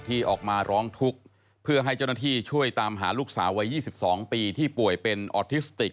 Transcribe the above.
ที่ออกมาร้องทุกข์เพื่อให้เจ้าหน้าที่ช่วยตามหาลูกสาววัย๒๒ปีที่ป่วยเป็นออทิสติก